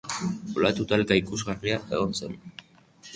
Olatu talka ikusgarria egon zen.